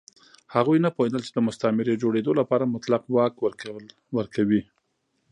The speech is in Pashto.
هغوی نه پوهېدل چې د مستعمرې جوړېدو لپاره مطلق واک ورکوي.